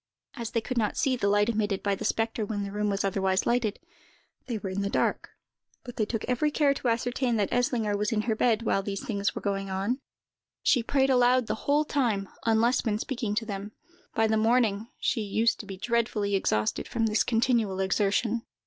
As they could not see the light emitted by the spectre when the room was otherwise lighted, they were in the dark; but they took every care to ascertain that Eslinger was in her bed while these things were going on. She prayed aloud the whole time, unless when speaking to them. By the morning, she used to be dreadfully exhausted, from this continual exertion.